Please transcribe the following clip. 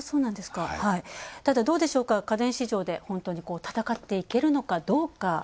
ただ、どうでしょうか、家電市場で本当に戦っていけるのかどうか。